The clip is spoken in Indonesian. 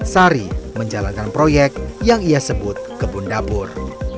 sari menjalankan proyek yang ia sebut kebun dapur